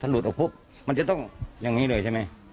หลุดออกปุ๊บมันจะต้องอย่างนี้เลยใช่ไหม